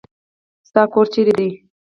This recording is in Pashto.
ستا کور چيري دی.